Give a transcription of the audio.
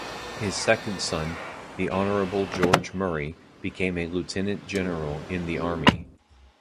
His second son, the Honourable George Murray, became a Lieutenant-General in the Army.